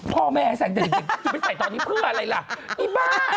พ่อแม่ใส่แต่เด็กจะไปใส่ตอนนี้เพื่ออะไรล่ะอีบ้า